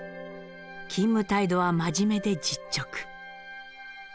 勤務態度は真面目で実直。